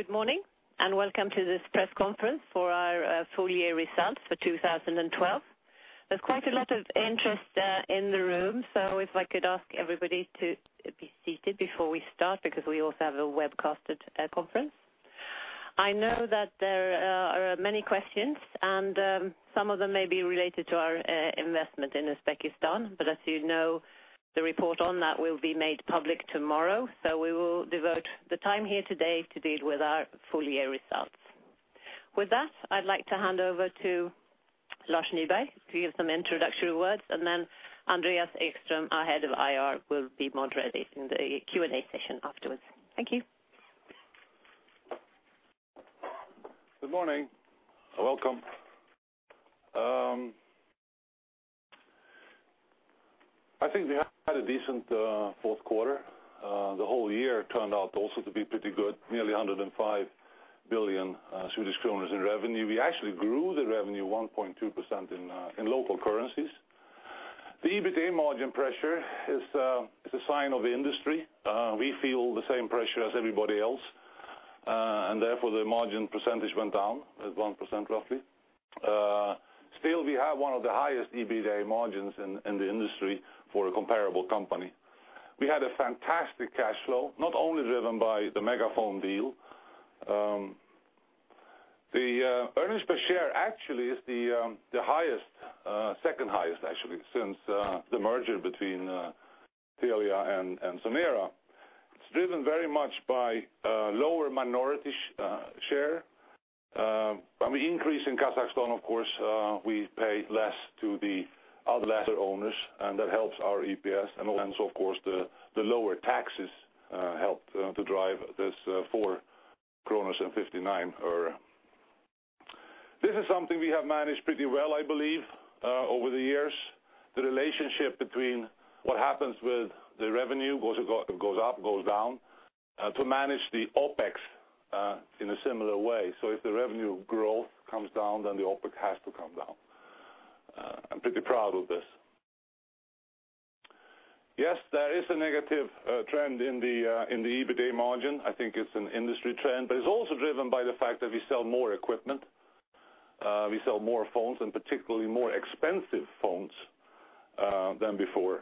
Good morning, and welcome to this press conference for our full year results for 2012. There is quite a lot of interest in the room, if I could ask everybody to be seated before we start, because we also have a webcasted conference. I know that there are many questions, some of them may be related to our investment in Uzbekistan. As you know, the report on that will be made public tomorrow, we will devote the time here today to deal with our full year results. With that, I would like to hand over to Lars Nyberg to give some introductory words, Andreas Ekström, our Head of IR, will be moderating the Q&A session afterwards. Thank you. Good morning. Welcome. I think we had a decent fourth quarter. The whole year turned out also to be pretty good, nearly 105 billion Swedish kronor in revenue. We actually grew the revenue 1.2% in local currencies. The EBITA margin pressure is a sign of the industry. We feel the same pressure as everybody else, therefore, the margin percentage went down at 1% roughly. Still, we have one of the highest EBITA margins in the industry for a comparable company. We had a fantastic cash flow, not only driven by the MegaFon deal. The EPS actually is the highest, second highest actually, since the merger between Telia and Sonera. It is driven very much by lower minority share. From the increase in Kazakhstan, of course, we pay less to the other lesser owners, that helps our EPS and also, of course, the lower taxes help to drive this 4.59. This is something we have managed pretty well, I believe, over the years. The relationship between what happens with the revenue, goes up, goes down, to manage the OPEX in a similar way. If the revenue growth comes down, the OPEX has to come down. I am pretty proud of this. Yes, there is a negative trend in the EBITDA margin. I think it is an industry trend, it is also driven by the fact that we sell more equipment. We sell more phones and particularly more expensive phones than before.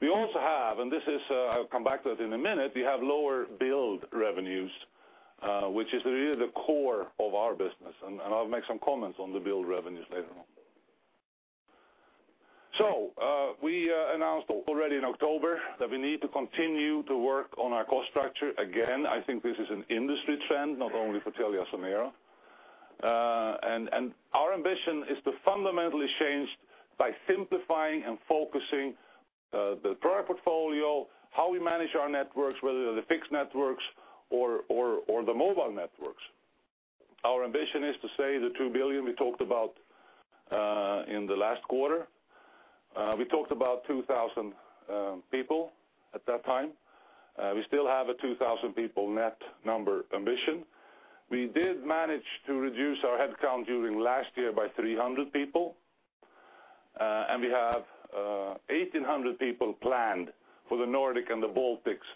We also have, I will come back to it in a minute, we have lower billed revenues, which is really the core of our business. I will make some comments on the billed revenues later on. We announced already in October that we need to continue to work on our cost structure. Again, I think this is an industry trend, not only for TeliaSonera. Our ambition is to fundamentally change by simplifying and focusing the product portfolio, how we manage our networks, whether they are the fixed networks or the mobile networks. Our ambition is to save the 2 billion we talked about in the last quarter. We talked about 2,000 people at that time. We still have a 2,000 people net number ambition. We did manage to reduce our headcount during last year by 300 people, we have 1,800 people planned for the Nordic and the Baltics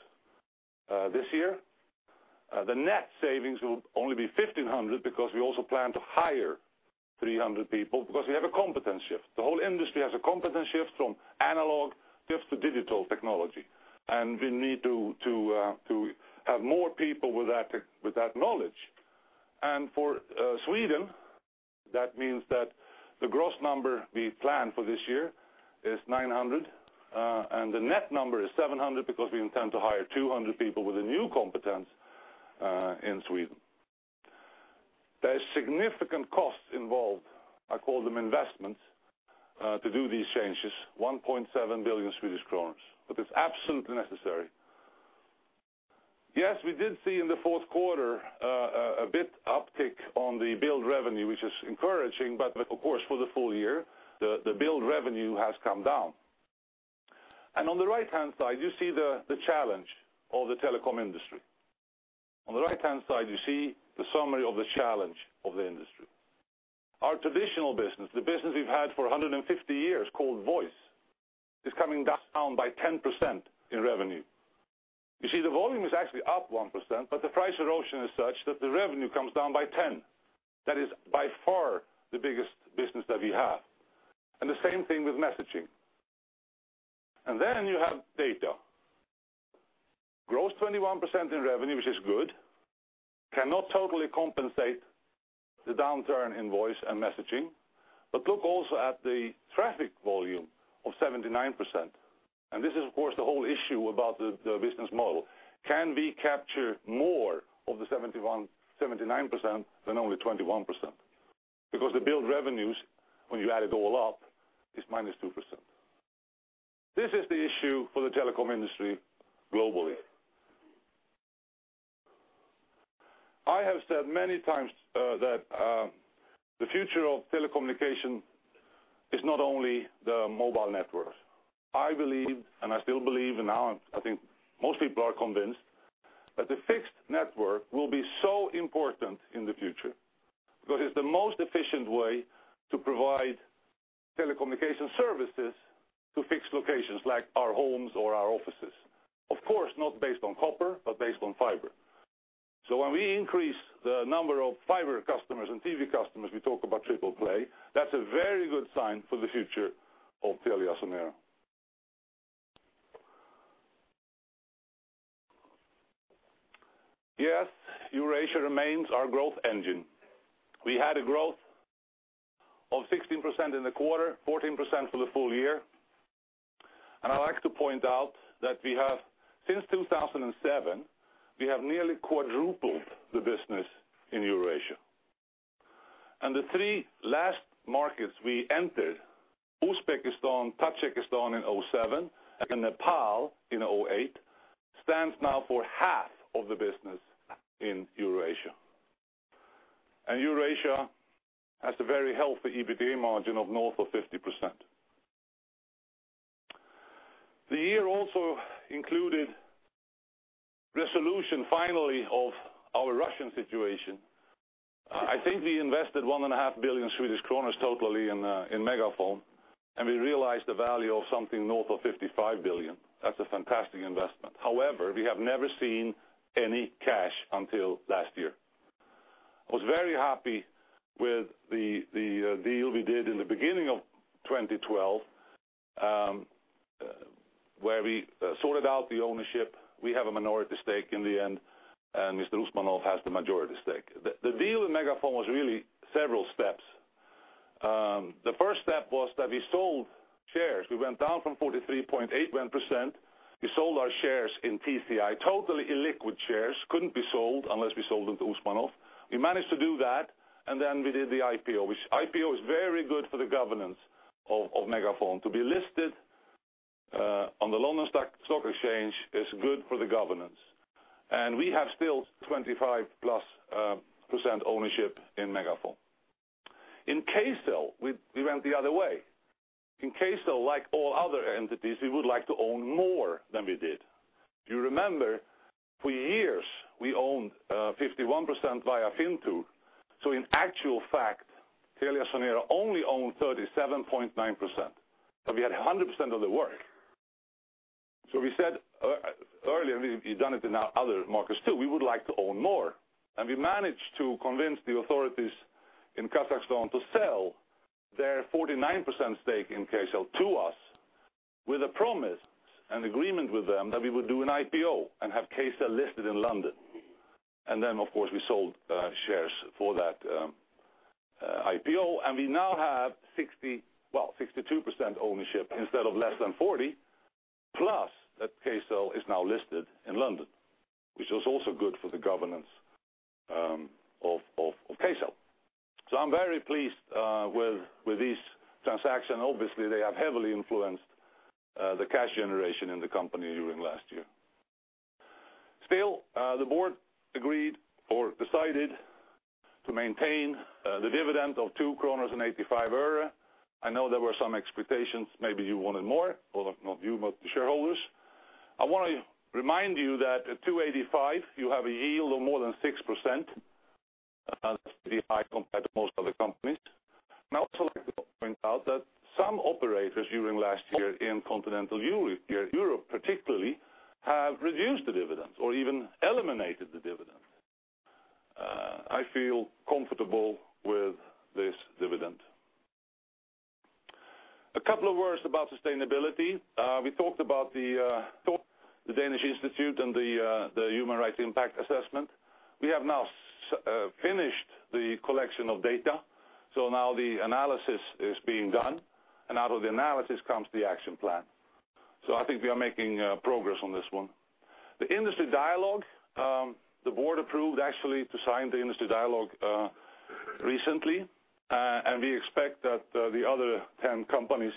this year. The net savings will only be 1,500 because we also plan to hire 300 people because we have a competence shift. The whole industry has a competence shift from analog shift to digital technology, and we need to have more people with that knowledge. For Sweden, that means that the gross number we plan for this year is 900, and the net number is 700 because we intend to hire 200 people with a new competence in Sweden. There is significant costs involved. I call them investments to do these changes, 1.7 billion Swedish kronor, but it's absolutely necessary. Yes, we did see in the fourth quarter a bit uptick on the billed revenue, which is encouraging, for the full year, the billed revenue has come down. On the right-hand side, you see the challenge of the telecom industry. On the right-hand side, you see the summary of the challenge of the industry. Our traditional business, the business we've had for 150 years, called voice, is coming down by 10% in revenue. You see the volume is actually up 1%, but the price erosion is such that the revenue comes down by 10%. That is by far the biggest business that we have. The same thing with messaging. Then you have data. Grows 21% in revenue, which is good, cannot totally compensate the downturn in voice and messaging, but look also at the traffic volume of 79%. This is, of course, the whole issue about the business model. Can we capture more of the 79% than only 21%? The billed revenues, when you add it all up, is minus 2%. This is the issue for the telecom industry globally. I have said many times that the future of telecommunication is not only the mobile network. I believed, and I still believe, and now I think most people are convinced, that the fixed network will be so important in the future. It's the most efficient way to provide telecommunication services to fixed locations like our homes or our offices. Of course, not based on copper, but based on fiber. When we increase the number of fiber customers and TV customers, we talk about triple play, that's a very good sign for the future of TeliaSonera. Yes, Eurasia remains our growth engine. We had a growth of 16% in the quarter, 14% for the full year. I'd like to point out that since 2007, we have nearly quadrupled the business in Eurasia. The three last markets we entered, Uzbekistan, Tajikistan in 2007, and Nepal in 2008, stands now for half of the business in Eurasia. Eurasia has a very healthy EBITDA margin of north of 50%. The year also included resolution, finally, of our Russian situation. I think we invested 1.5 billion Swedish kronor totally in MegaFon, and we realized the value of something north of 55 billion. That's a fantastic investment. However, we have never seen any cash until last year. I was very happy with the deal we did in the beginning of 2012, where we sorted out the ownership. We have a minority stake in the end, and Mr. Usmanov has the majority stake. The deal with MegaFon was really several steps. The first step was that we sold shares. We went down from 43.81%. We sold our shares in TCI, totally illiquid shares, couldn't be sold unless we sold them to Usmanov. We managed to do that, and then we did the IPO. IPO is very good for the governance of MegaFon. To be listed on the London Stock Exchange is good for the governance. We have still 25+% ownership in MegaFon. In Kcell, we went the other way. In Kcell, like all other entities, we would like to own more than we did. You remember, for years, we owned 51% via Fintur. In actual fact, TeliaSonera only owned 37.9%, but we had 100% of the work. We said earlier, we've done it in other markets, too, we would like to own more. We managed to convince the authorities in Kazakhstan to sell their 49% stake in Kcell to us with a promise and agreement with them that we would do an IPO and have Kcell listed in London. Then, of course, we sold shares for that IPO, and we now have 62% ownership instead of less than 40%, plus that Kcell is now listed in London, which is also good for the governance of Kcell. I'm very pleased with this transaction. Obviously, they have heavily influenced the cash generation in the company during last year. The board agreed or decided to maintain the dividend of SEK 2.85. I know there were some expectations, maybe you wanted more. Not you, but the shareholders. I want to remind you that at 2.85, you have a yield of more than 6%. That's pretty high compared to most other companies. I also like to point out that some operators during last year in continental Europe particularly, have reduced the dividends or even eliminated the dividend. I feel comfortable with this dividend. A couple of words about sustainability. We talked about the Danish Institute and the human rights impact assessment. We have now finished the collection of data, so now the analysis is being done, and out of the analysis comes the action plan. I think we are making progress on this one. The Industry Dialogue, the board approved actually to sign the Industry Dialogue recently. We expect that the other 10 companies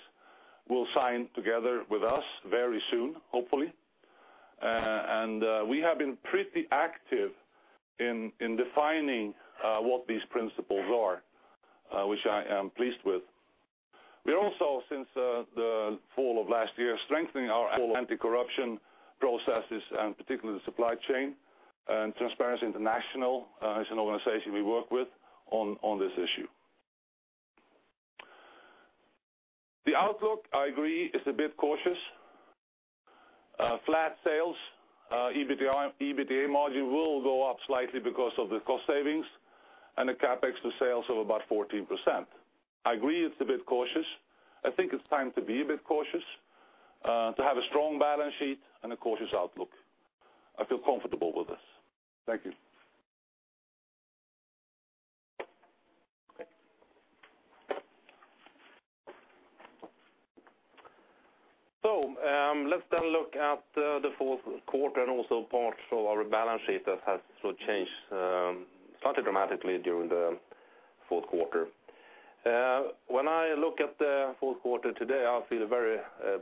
will sign together with us very soon, hopefully. We have been pretty active in defining what these principles are, which I am pleased with. We are also, since the fall of last year, strengthening our anti-corruption processes and particularly the supply chain and Transparency International as an organization we work with on this issue. The outlook, I agree, is a bit cautious. Flat sales, EBITDA margin will go up slightly because of the cost savings and the CapEx to sales of about 14%. I agree, it's a bit cautious. I think it's time to be a bit cautious, to have a strong balance sheet and a cautious outlook. I feel comfortable with this. Thank you. Let's then look at the fourth quarter and also parts of our balance sheet that has changed slightly dramatically during the fourth quarter. When I look at the fourth quarter today, I feel very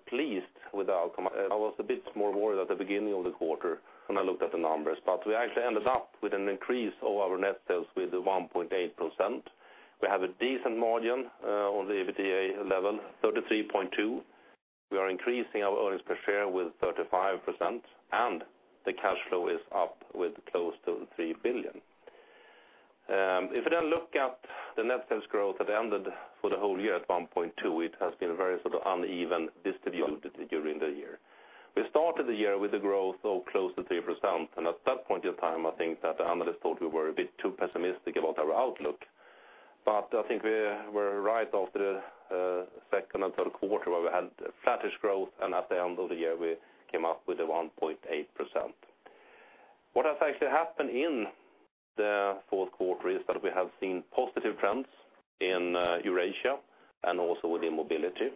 pleased with the outcome. I was a bit more worried at the beginning of the quarter when I looked at the numbers. But we actually ended up with an increase of our net sales with 1.8%. We have a decent margin on the EBITDA level, 33.2%. We are increasing our earnings per share with 35%, and the cash flow is up with close to 3 billion. If you then look at the net sales growth that ended for the whole year at 1.2%, it has been very unevenly distributed during the year. We started the year with a growth of close to 3%, and at that point in time, I think that the analysts thought we were a bit too pessimistic about our outlook. But I think we were right after the second and third quarter where we had flattish growth, and at the end of the year, we came up with the 1.8%. What has actually happened in the fourth quarter is that we have seen positive trends in Eurasia and also within mobility.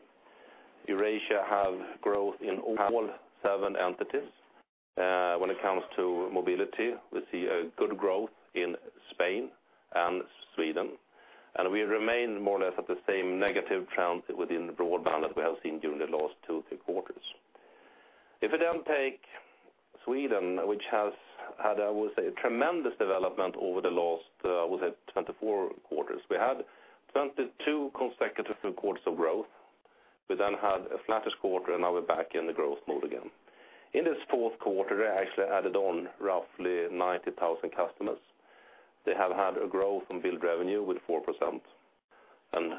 Eurasia have growth in all seven entities. When it comes to mobility, we see a good growth in Spain and Sweden, and we remain more or less at the same negative trends within the broadband that we have seen during the last two, three quarters. If you then take Sweden, which has had, I would say, a tremendous development over the last, I would say, 24 quarters. We had 22 consecutive quarters of growth. We then had a flattish quarter, and now we're back in the growth mode again. In this fourth quarter, they actually added on roughly 90,000 customers. They have had a growth in billed revenue with 4%. And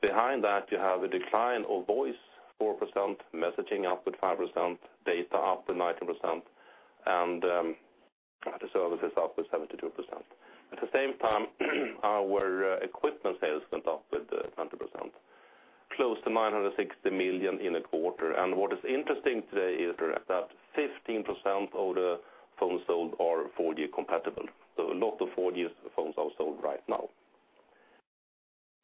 behind that, you have a decline of voice 4%, messaging up with 5%, data up to 19%, and other services up with 72%. At the same time, our equipment sales went up with 100%, close to 960 million in a quarter. And what is interesting today is that 15% of the phones sold are 4G compatible. So a lot of 4G phones are sold right now.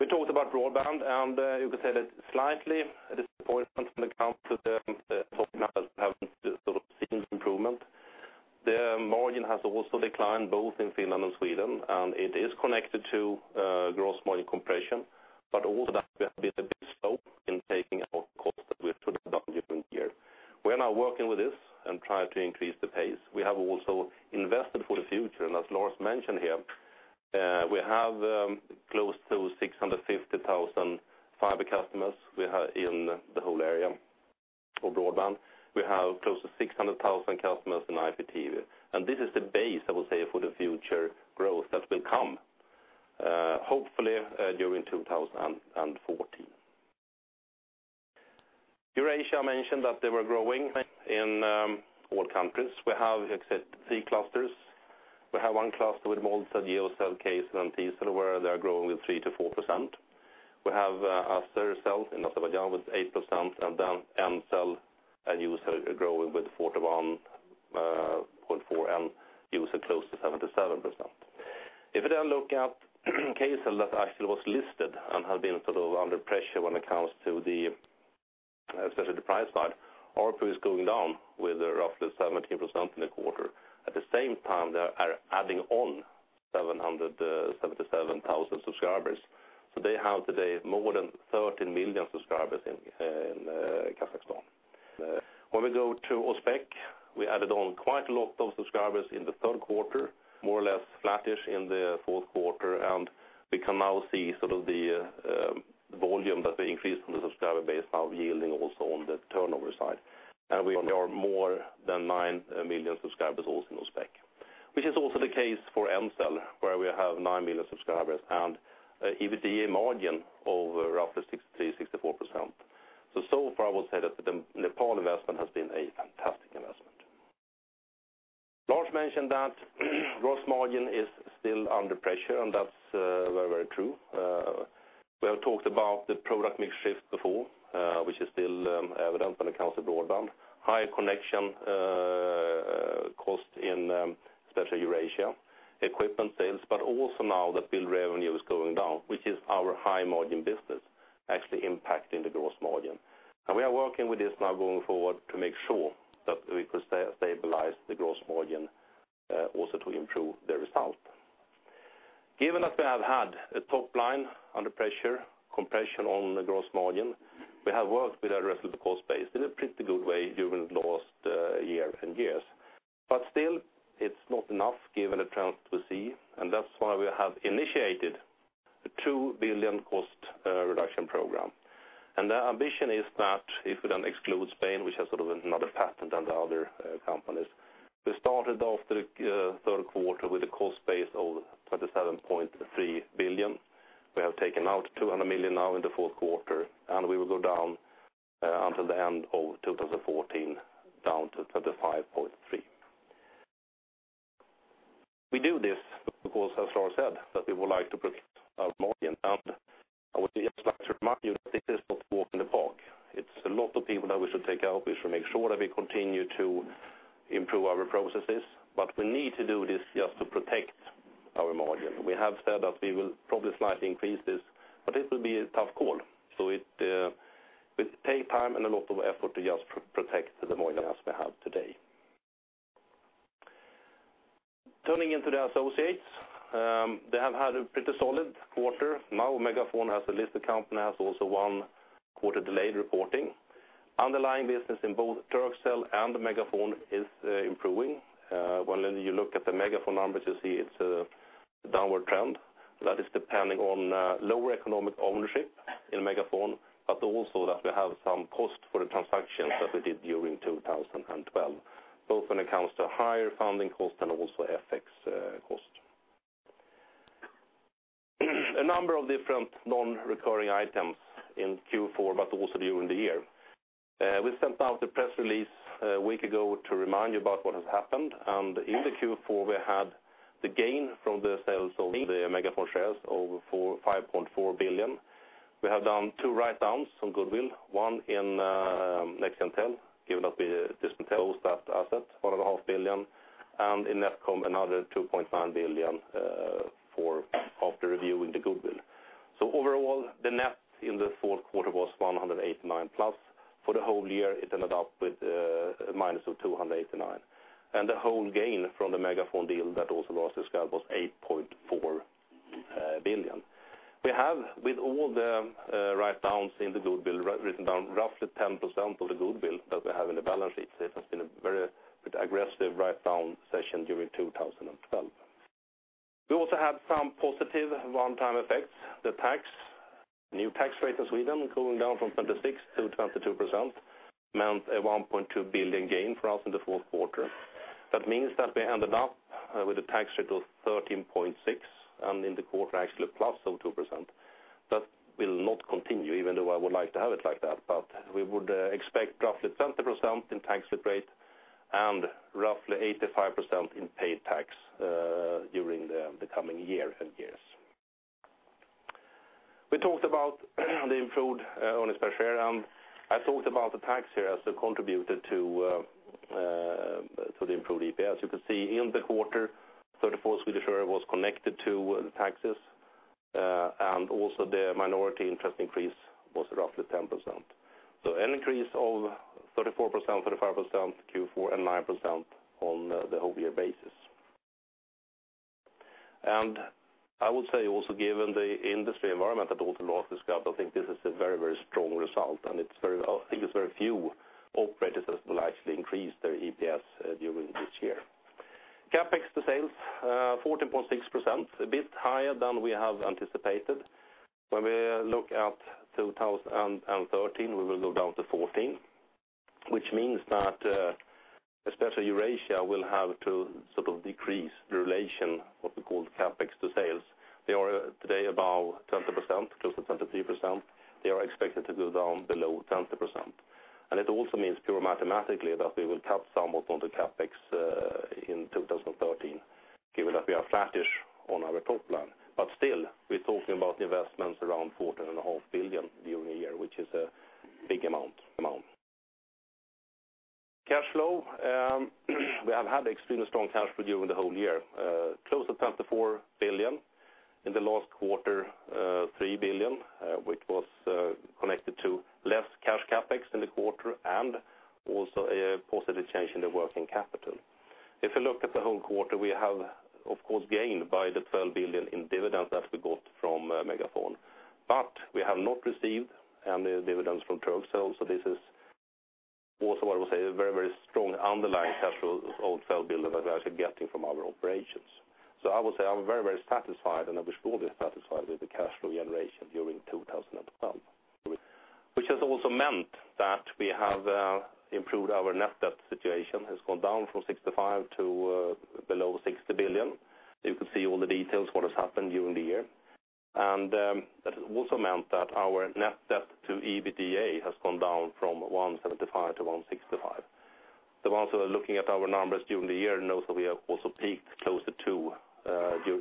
We talked about broadband, and you could say that slightly disappointing when it comes to the top have seen improvement. The margin has also declined both in Finland and Sweden, and it is connected to gross margin compression, but also that we have been a bit slow in taking out costs that we should have done during the year. We're now working with this and trying to increase the pace. We have also invested for the future. And as Lars mentioned here, we have close to 650,000 fiber customers in the whole area of broadband. We have close to 600,000 customers in IPTV. And this is the base, I would say, for the future growth that will come, hopefully during 2014. Eurasia mentioned that they were growing in all countries. We have three clusters. We have one cluster with Moldcell, Geocell, Kcell, and Tcell, where they are growing with 3% to 4%. We have Azercell in Azerbaijan with 8%, Ncell and Ucell are growing with 41.4%, and Ucell close to 77%. If you then look at Kcell that actually was listed and have been under pressure when it comes to especially the price side, ARPU is going down with roughly 17% in the quarter. At the same time, they are adding on 777,000 subscribers. They have today more than 13 million subscribers in Kazakhstan. When we go to Uzbekistan, we added on quite a lot of subscribers in the third quarter, more or less flattish in the fourth quarter, and we can now see the volume that we increased from the subscriber base now yielding also on the turnover side. We are more than 9 million subscribers also in Uzbekistan, which is also the case for Ncell, where we have 9 million subscribers and EBITDA margin of roughly 63%-64%. So far, I would say that the Nepal investment has been a fantastic investment. Lars mentioned that gross margin is still under pressure, and that's very true. We have talked about the product mix shift before, which is still evident when it comes to broadband. High connection cost in especially Eurasia, equipment sales, but also now that billed revenue is going down, which is our high-margin business actually impacting the gross margin. We are working with this now going forward to make sure that we could stabilize the gross margin also to improve the result. Given that we have had a top line under pressure, compression on the gross margin, we have worked with the rest of the cost base in a pretty good way during the last year and years. Still, it's not enough given the trends we see, and that's why we have initiated the 2 billion cost reduction program. The ambition is that if we then exclude Spain, which has another pattern than the other companies, we started off the third quarter with a cost base of SEK 27.3 billion. We have taken out 200 million now in the fourth quarter, and we will go down until the end of 2014, down to 25.3 billion. We do this because as Lars said, that we would like to protect our margin. I would say, just like to remind you, that this is not a walk in the park. It's a lot of people that we should take out. We should make sure that we continue to improve our processes, but we need to do this just to protect our margin. We have said that we will probably slightly increase this, but it will be a tough call. It will take time and a lot of effort to just protect the margin as we have today. Turning into the associates, they have had a pretty solid quarter. Now MegaFon as a listed company has also one quarter delayed reporting. Underlying business in both Turkcell and MegaFon is improving. When you look at the MegaFon numbers, you see it's the downward trend, that is depending on lower economic ownership in MegaFon, but also that we have some cost for the transactions that we did during 2012, both when it comes to higher funding cost and also FX cost. A number of different non-recurring items in Q4, but also during the year. We sent out a press release a week ago to remind you about what has happened. In the Q4, we had the gain from the sales of the MegaFon shares over 5.4 billion. We have done two write-downs on goodwill, one in NextGenTel, given that we discontinued that asset, 1.5 billion, and in NetCom, another 2.9 billion after reviewing the goodwill. Overall, the net in the fourth quarter was 189-plus. For the whole year, it ended up with a minus of 289. The whole gain from the MegaFon deal that also lost its scalp was 8.4 billion. We have, with all the write-downs in the goodwill, written down roughly 10% of the goodwill that we have in the balance sheet. It has been a very aggressive write-down session during 2012. We also had some positive one-time effects. The new tax rate in Sweden going down from 26% to 22% meant a 1.2 billion gain for us in the fourth quarter. That means that we ended up with a tax rate of 13.6%, and in the quarter actually plus of 2%. That will not continue, even though I would like to have it like that. We would expect roughly 20% in tax rate and roughly 85% in paid tax during the coming year and years. We talked about the improved earnings per share, and I talked about the tax here as it contributed to the improved EPS. You can see in the quarter, SEK 34 was connected to the taxes, and also the minority interest increase was roughly 10%. An increase of 34%, 35% Q4, and 9% on the whole year basis. I would say also, given the industry environment that also lost its scalp, I think this is a very strong result, and I think it is very few operators that will actually increase their EPS during this year. CapEx to sales, 14.6%, a bit higher than we have anticipated. We look at 2013, we will go down to 14%, which means that especially Eurasia will have to sort of decrease the relation, what we call CapEx to sales. They are today above 20%, close to 23%. They are expected to go down below 20%. It also means pure mathematically that we will cut somewhat on the CapEx in 2013, given that we are flattish on our top line. Still, we are talking about investments around SEK 14.5 billion during the year, which is a big amount. Cash flow. We have had extremely strong cash flow during the whole year, close to 24 billion. In the last quarter, 3 billion, which was connected to less cash CapEx in the quarter and also a positive change in the working capital. If you look at the whole quarter, we have, of course, gained by the 12 billion in dividends that we got from MegaFon. We have not received any dividends from Turkcell, so this is also what I will say, a very strong underlying cash flow of SEK 12 billion that we are actually getting from our operations. I would say I am very satisfied, and I was fully satisfied with the cash flow generation during 2012, which has also meant that we have improved our net debt situation. It has gone down from 65 billion to below 60 billion. You could see all the details, what has happened during the year. That also meant that our net debt to EBITDA has gone down from 175 to 165. The ones who are looking at our numbers during the year know that we have also peaked closer to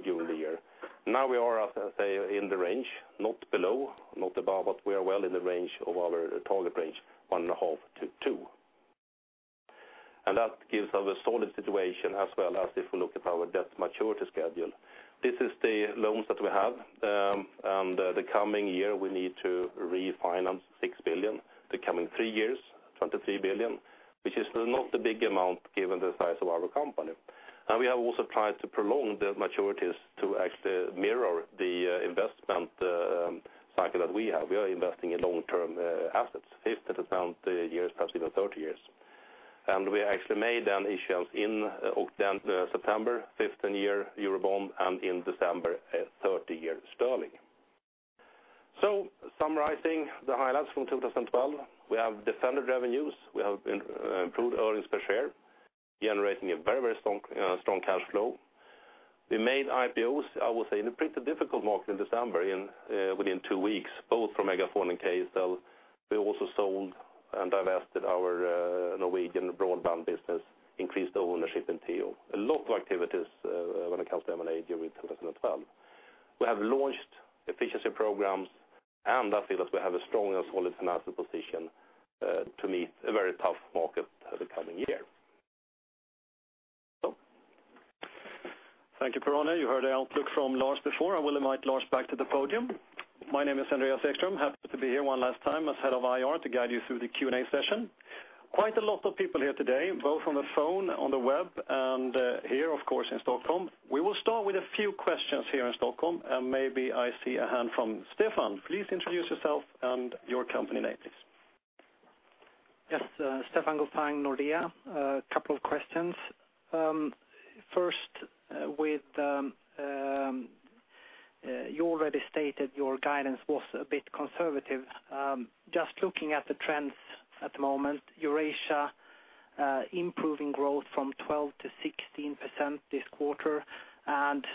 during the year. Now we are, as I say, in the range, not below, not above, but we are well in the range of our target range, 1.5 to 2. That gives us a solid situation as well as if we look at our debt maturity schedule. This is the loans that we have, and the coming year, we need to refinance 6 billion. The coming three years, 23 billion, which is not a big amount given the size of our company. We have also tried to prolong the maturities to actually mirror the investment cycle that we have. We are investing in long-term assets, 15 to 20 years, possibly 30 years. We actually made an issuance in September, 15-year euro bond, and in December, a 30-year sterling. Summarizing the highlights from 2012, we have defended revenues, we have improved earnings per share, generating a very strong cash flow. We made IPOs, I would say, in a pretty difficult market in December within two weeks, both for MegaFon and Kcell. We also sold and divested our Norwegian broadband business, increased ownership in TEO. A lot of activities when it comes to M&A during 2012. We have launched efficiency programs, I feel that we have a strong and solid financial position to meet a very tough market for the coming year. Thank you, Per-Arne. You heard the outlook from Lars before. I will invite Lars back to the podium. My name is Andreas Ekström. Happy to be here one last time as head of IR to guide you through the Q&A session. Quite a lot of people here today, both on the phone, on the web, and here, of course, in Stockholm. We will start with a few questions here in Stockholm, and maybe I see a hand from Stefan. Please introduce yourself and your company name, please. Yes. Stefan Gauffin, Nordea. A couple of questions. First, you already stated your guidance was a bit conservative. Just looking at the trends at the moment, Eurasia improving growth from 12% to 16% this quarter, and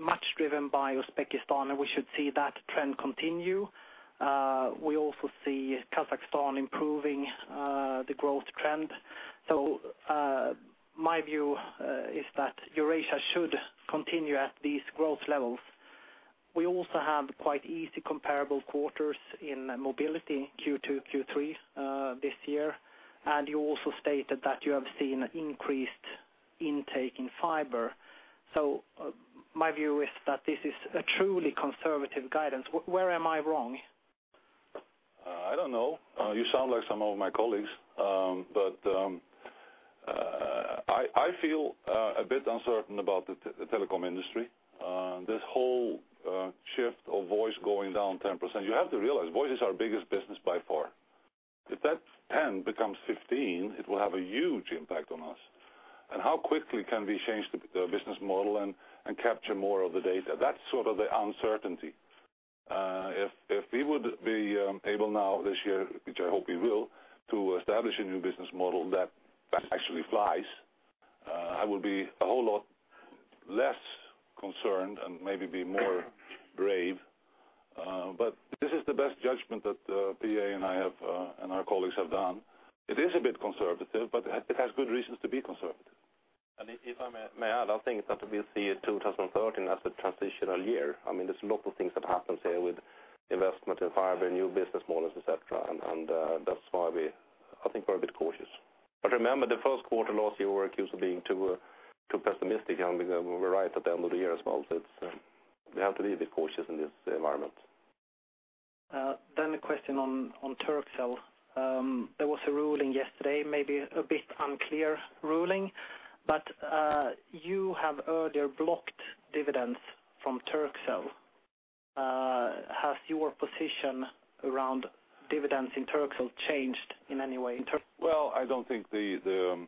much driven by Uzbekistan, and we should see that trend continue. We also see Kazakhstan improving the growth trend. My view is that Eurasia should continue at these growth levels. We also have quite easy comparable quarters in mobility, Q2, Q3 this year. You also stated that you have seen increased intake in fiber. My view is that this is a truly conservative guidance. Where am I wrong? I don't know. You sound like some of my colleagues. I feel a bit uncertain about the telecom industry. This whole shift of voice going down 10%. You have to realize, voice is our biggest business by far. If that 10 becomes 15, it will have a huge impact on us. How quickly can we change the business model and capture more of the data? That's sort of the uncertainty. If we would be able now this year, which I hope we will, to establish a new business model that actually flies, I will be a whole lot less concerned and maybe be more brave. This is the best judgment that P.A. and I have, and our colleagues have done. It is a bit conservative, but it has good reasons to be conservative. If I may add, I think that we will see 2013 as a transitional year. There is a lot of things that happens here with investment in fiber, new business models, et cetera, and that is why I think we are a bit cautious. Remember, the first quarter last year, we were accused of being too pessimistic, and we were right at the end of the year as well. We have to be a bit cautious in this environment. A question on Turkcell. There was a ruling yesterday, maybe a bit unclear ruling, but you have earlier blocked dividends from Turkcell. Has your position around dividends in Turkcell changed in any way? I do not think the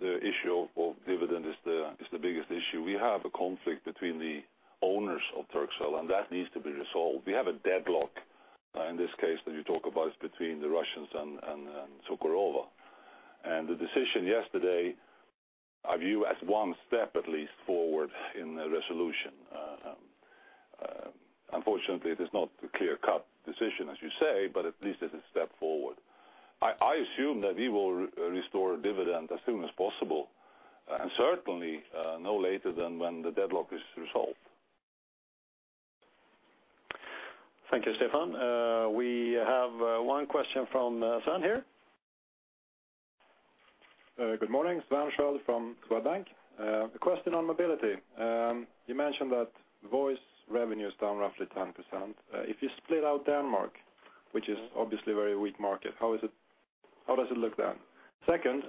issue of dividend is the biggest issue. We have a conflict between the owners of Turkcell, and that needs to be resolved. We have a deadlock. In this case that you talk about, it is between the Russians and Sokolov. The decision yesterday, I view as one step at least forward in the resolution. Unfortunately, it is not a clear-cut decision, as you say, but at least it is a step forward. I assume that we will restore dividend as soon as possible, and certainly, no later than when the deadlock is resolved. Thank you, Stefan. We have one question from Sven here. Good morning. Sven Sköld from Swedbank. A question on mobility. You mentioned that voice revenue is down roughly 10%. If you split out Denmark, which is obviously a very weak market, how does it look then? Second,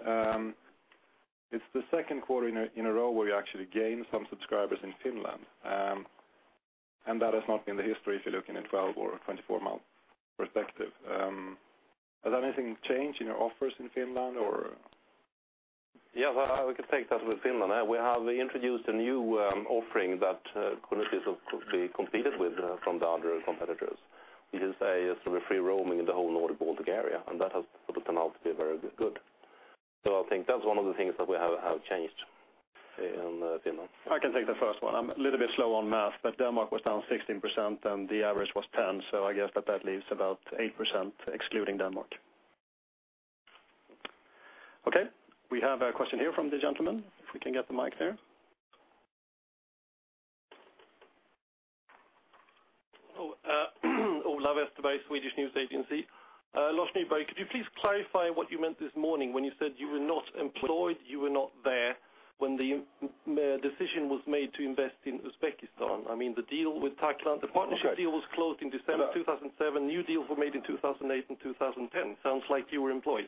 it's the second quarter in a row where you actually gained some subscribers in Finland, and that has not been the history if you look in a 12 or 24-month perspective. Has anything changed in your offers in Finland? Yeah, we can take that with Finland. We have introduced a new offering that couldn't be competed with from the other competitors. It is a sort of free roaming in the whole Nordic-Baltic area, and that has sort of turned out to be very good. I think that's one of the things that we have changed in Finland. I can take the first one. I'm a little bit slow on math. Denmark was down 16% and the average was 10%, I guess that leaves about 8% excluding Denmark. Okay. We have a question here from the gentleman, if we can get the mic there. Olof Österbay, TT News Agency. Lars Nyberg, could you please clarify what you meant this morning when you said you were not employed, you were not there when the decision was made to invest in Uzbekistan. The deal with Takilant. Okay. The partnership deal was closed in December 2007. New deals were made in 2008 and 2010. Sounds like you were employed.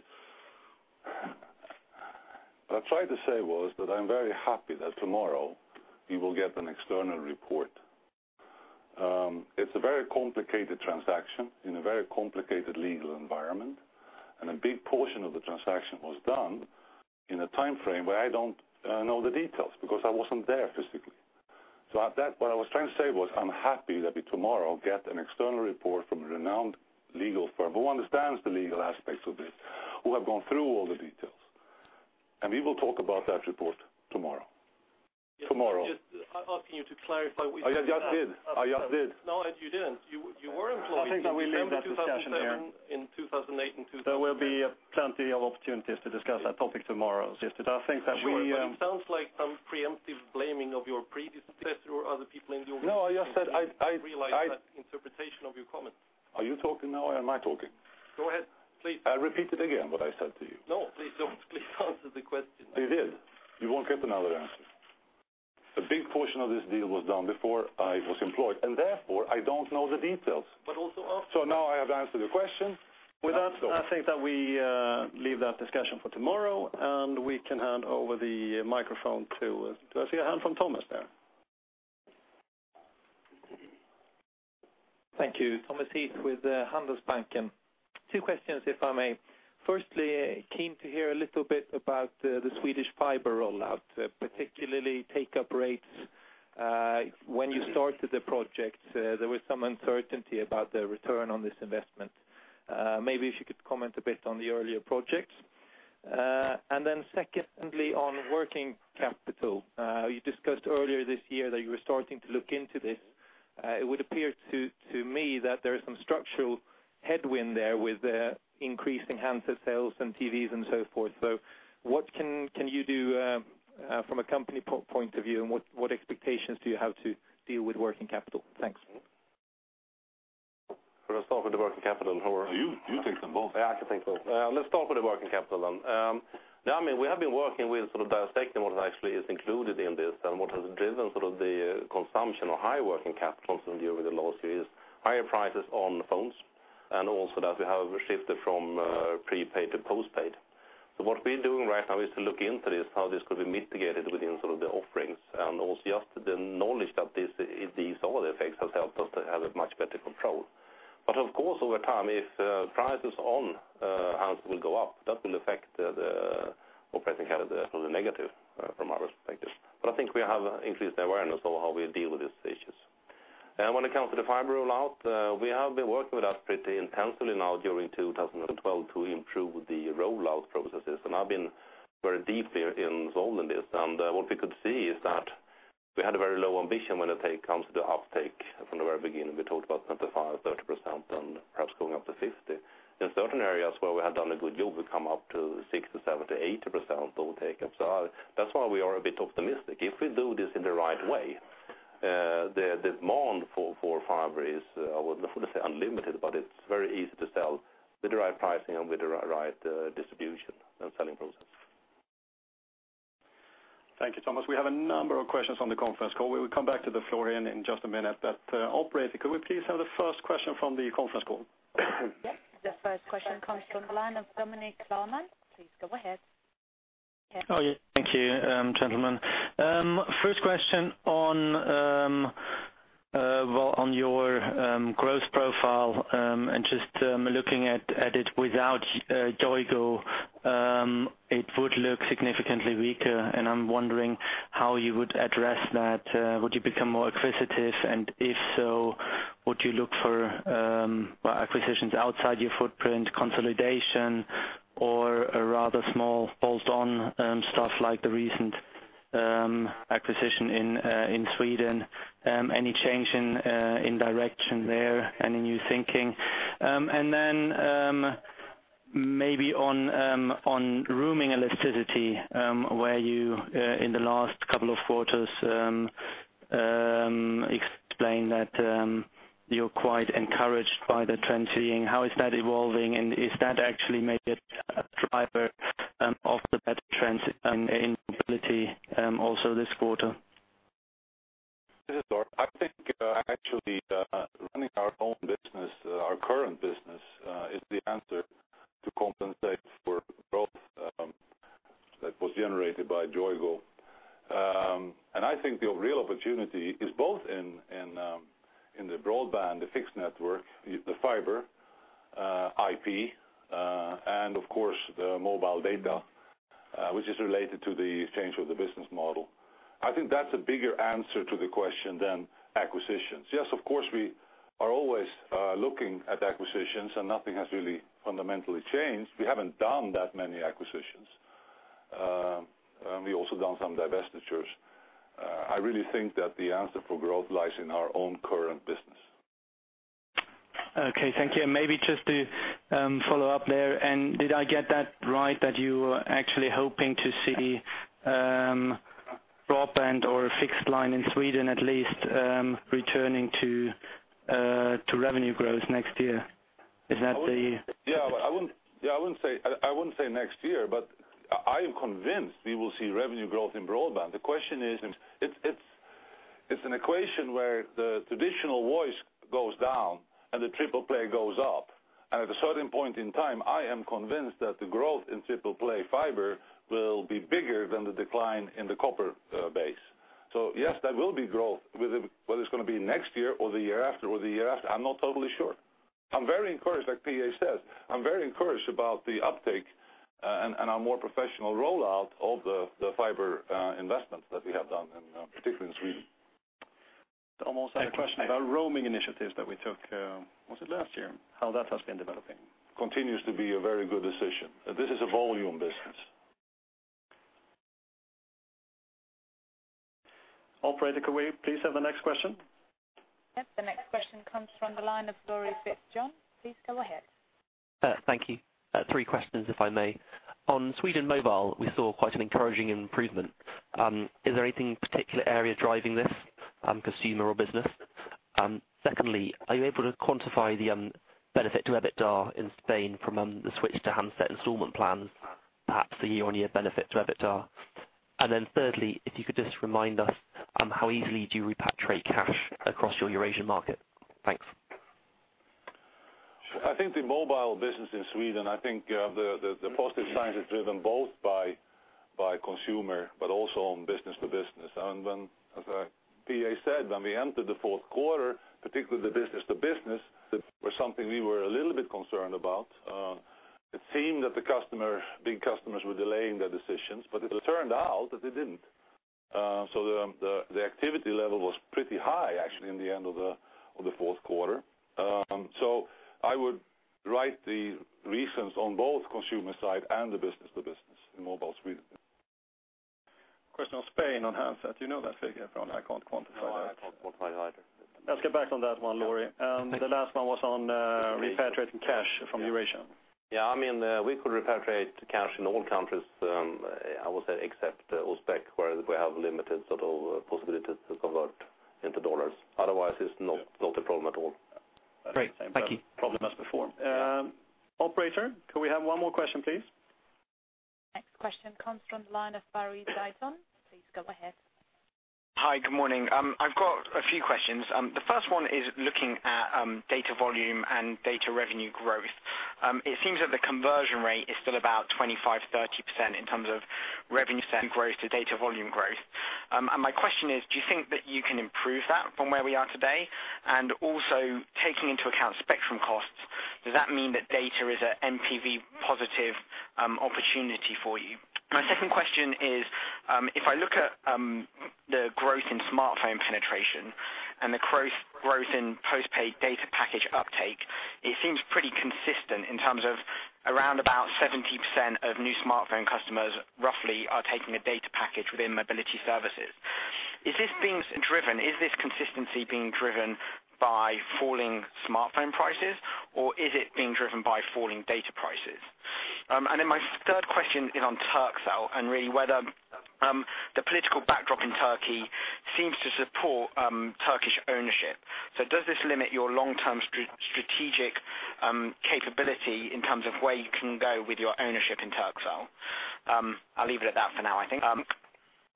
What I tried to say was that I'm very happy that tomorrow we will get an external report. It's a very complicated transaction in a very complicated legal environment, and a big portion of the transaction was done in a timeframe where I don't know the details because I wasn't there physically. What I was trying to say was, I'm happy that we tomorrow get an external report from a renowned legal firm who understands the legal aspects of this, who have gone through all the details, and we will talk about that report tomorrow. Just asking you to clarify. I just did. No, you didn't. You were employed. I think that we leave that discussion there. in December 2007, in 2008, and 2010. There will be plenty of opportunities to discuss that topic tomorrow. I think that. Sure. It sounds like some preemptive blaming of your predecessor or other people in the organization. No, I just said. I realize that interpretation of your comment. Are you talking now or am I talking? Go ahead, please. I repeated again what I said to you. No, please don't. Please answer the question. I did. You won't get another answer. A big portion of this deal was done before I was employed, and therefore, I don't know the details. But also- Now I have answered your question. With that, I think that we leave that discussion for tomorrow, and we can hand over the microphone to Do I see a hand from Thomas there? Thank you. Thomas Heath with Handelsbanken. Two questions, if I may. Firstly, keen to hear a little bit about the Swedish fiber rollout, particularly take-up rates. When you started the project, there was some uncertainty about the return on this investment. Maybe if you could comment a bit on the earlier projects. Secondly, on working capital. You discussed earlier this year that you were starting to look into this. It would appear to me that there is some structural headwind there with increasing handset sales and TVs and so forth. What can you do from a company point of view, and what expectations do you have to deal with working capital? Thanks. Let's start with the working capital, or- You take them both. Yeah, I can take both. Let's start with the working capital then. We have been working with dissecting what actually is included in this, and what has driven the consumption of high working capital over the last few years, higher prices on phones, and also that we have shifted from prepaid to postpaid. What we're doing right now is to look into this, how this could be mitigated within the offerings, and also just the knowledge that these other effects have helped us to have a much better control. Of course, over time, if prices on handsets will go up, that will affect the operating capital to the negative from our perspective. I think we have increased awareness of how we deal with these issues. When it comes to the fiber rollout, we have been working with that pretty intensely now during 2012 to improve the rollout processes, and I've been very deeply involved in this. What we could see is that we had a very low ambition when it comes to the uptake from the very beginning. We talked about 25%, 30%, and perhaps going up to 50%. In certain areas where we had done a good job, we've come up to 60%, 70%, 80% of take-up. That's why we are a bit optimistic. If we do this in the right way, the demand for fiber is, I wouldn't say unlimited, but it's very easy to sell with the right pricing and with the right distribution and selling process. Thank you, Thomas. We have a number of questions on the conference call. We will come back to the floor in just a minute. Operator, could we please have the first question from the conference call? Yes. The first question comes from the line of Dominique Barman. Please go ahead. Oh, yeah. Thank you, gentlemen. First question on your growth profile, just looking at it without Eurasia, it would look significantly weaker, and I'm wondering how you would address that. Would you become more acquisitive? If so, would you look for acquisitions outside your footprint consolidation or a rather small bolt-on, stuff like the recent acquisition in Sweden? Any change in direction there, any new thinking? Then maybe on roaming elasticity, where you, in the last couple of quarters, explained that you're quite encouraged by the trend seeing. How is that evolving, and is that actually maybe a driver of the better trends in mobility also this quarter? This is Lars. I think actually running our own business, our current business, is the answer to compensate for growth that was generated by Eurasia. I think the real opportunity is both in the broadband, the fixed network, the fiber IP, and of course the mobile data, which is related to the change of the business model. I think that's a bigger answer to the question than acquisitions. Yes, of course, we are always looking at acquisitions, and nothing has really fundamentally changed. We haven't done that many acquisitions. We've also done some divestitures. I really think that the answer for growth lies in our own current business. Okay. Thank you. Maybe just to follow up there, and did I get that right, that you are actually hoping to see broadband or fixed line in Sweden at least returning to revenue growth next year? Is that the- Yeah, I wouldn't say next year, but I am convinced we will see revenue growth in broadband. The question is, it's an equation where the traditional voice goes down and the triple play goes up. At a certain point in time, I am convinced that the growth in triple play fiber will be bigger than the decline in the copper base. Yes, there will be growth. Whether it's going to be next year or the year after or the year after, I'm not totally sure. I'm very encouraged, like P.A. says, I'm very encouraged about the uptake and our more professional rollout of the fiber investments that we have done, and particularly in Sweden. Thomas had a question about roaming initiatives that we took, was it last year? How that has been developing. Continues to be a very good decision. This is a volume business. Operator, could we please have the next question? Yes, the next question comes from the line of Laurie Fitzjohn-Sykes. Please go ahead. Thank you. Three questions, if I may. On Sweden Mobile, we saw quite an encouraging improvement. Is there anything particular area driving this, consumer or business? Secondly, are you able to quantify the benefit to EBITDA in Spain from the switch to handset installment plans, perhaps the year-on-year benefit to EBITDA? Then thirdly, if you could just remind us how easily do you repatriate cash across your Eurasian market? Thanks. I think the mobile business in Sweden, the positive signs are driven both by consumer, but also on business to business. As P.A. said, when we entered the fourth quarter, particularly the business to business, that was something we were a little bit concerned about. It seemed that the big customers were delaying their decisions, it turned out that they didn't. The activity level was pretty high, actually, in the end of the fourth quarter. I would write the reasons on both consumer side and the business to business in mobile Sweden. Question on Spain on handset. You know that figure, Frans, I can't quantify that. No, I can't quantify either. Let's get back on that one, Laurie. The last one was on repatriating cash from Eurasia. Yeah. We could repatriate cash in all countries, I would say, except Uzbek, where we have limited total possibilities to convert into SEK. Otherwise, it's not a problem at all. Great. Thank you. Problem as before. Yeah. Operator, could we have one more question, please? Next question comes from the line of Barry Zeitoune. Please go ahead. Hi. Good morning. I've got a few questions. The first one is looking at data volume and data revenue growth. It seems that the conversion rate is still about 25%-30% in terms of revenue growth to data volume growth. My question is, do you think that you can improve that from where we are today? Also, taking into account spectrum costs, does that mean that data is an NPV positive opportunity for you? My second question is, if I look at the growth in smartphone penetration and the growth in post-paid data package uptake, it seems pretty consistent in terms of around about 70% of new smartphone customers, roughly, are taking a data package within mobility services. Is this consistency being driven by falling smartphone prices, or is it being driven by falling data prices? My third question is on Turkcell, and really whether the political backdrop in Turkey seems to support Turkish ownership. Does this limit your long-term strategic capability in terms of where you can go with your ownership in Turkcell? I'll leave it at that for now, I think.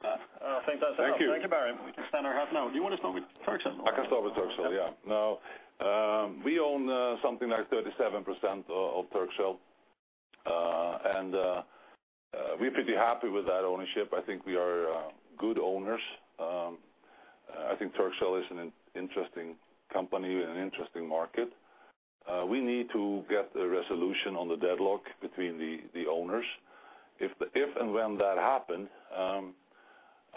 I think that's it. Thank you. Thank you, Barry. We can spend our half an hour. Do you want to start with Turkcell? I can start with Turkcell, yeah. We own something like 37% of Turkcell. We're pretty happy with that ownership. I think we are good owners. I think Turkcell is an interesting company and an interesting market. We need to get a resolution on the deadlock between the owners. If and when that happens,